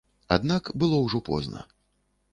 Аднак было ўжо позна.